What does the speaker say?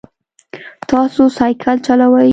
تاسو سایکل چلوئ؟